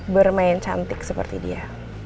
bermain cantik seperti dia